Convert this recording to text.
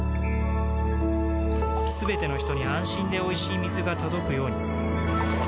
すべての人に安心でおいしい水が届くように